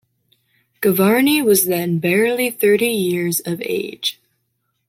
Gavarni was then barely thirty years of age.